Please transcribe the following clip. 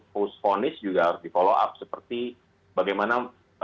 post punish juga harus dipolo up seperti bagaimana